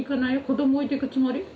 子ども置いてくつもり？